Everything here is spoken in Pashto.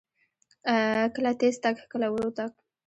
کله تیز تګ، کله ورو تګ.